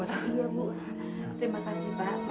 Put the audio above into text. iya bu terima kasih pak